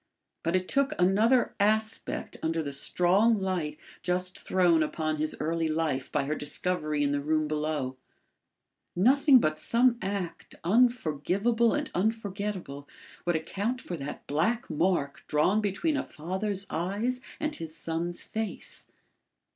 But it took another aspect under the strong light just thrown upon his early life by her discovery in the room below. Nothing but some act, unforgivable and unforgettable would account for that black mark drawn between a father's eyes and his son's face.